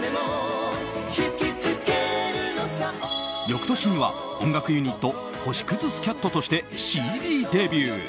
翌年には音楽ユニット星屑スキャットとしてＣＤデビュー。